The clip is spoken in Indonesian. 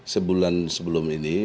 sebulan sebelum ini